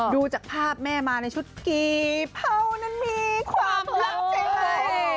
ดูจากภาพแม่มาในชุดกีเพานั้นมีความรักเจ๋งเลย